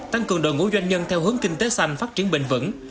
tăng cường đội ngũ doanh nhân theo hướng kinh tế xanh phát triển bền vững